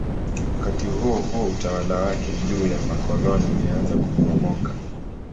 Wakati huohuo utawala wake juu ya makoloni ulianza kuporomoka.